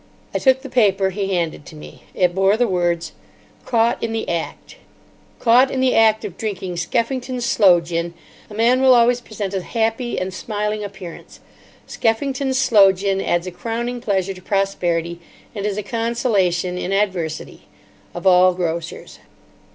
I took the paper he handed to me. It bore the words: CAUGHT IN THE ACT CAUGHT IN THE ACT of drinking Skeffington's Sloe Gin, a man will always present a happy and smiling appearance. Skeffington's Sloe Gin adds a crowning pleasure to prosperity, and is a consolation in adversity. Of all Grocers.